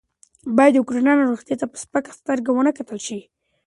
باید د کرونا ناروغانو ته په سپکه سترګه ونه کتل شي.